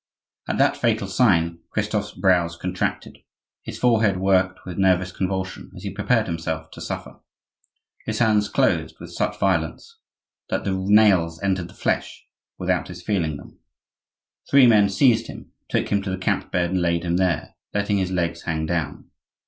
At that fatal sign Christophe's brows contracted, his forehead worked with nervous convulsion, as he prepared himself to suffer. His hands closed with such violence that the nails entered the flesh without his feeling them. Three men seized him, took him to the camp bed and laid him there, letting his legs hang down.